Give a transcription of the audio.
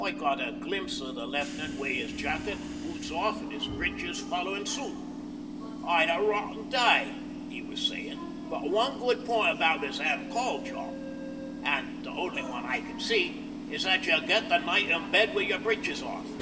I got a glimpse o' the Left'nant wi' his jacket an' boots off an' his breeches followin' suit. "I'd a rotten day," he was sayin', "but one good point about this Am. Col. job an' the only one I see is that you get the night in bed wi' your breeches off."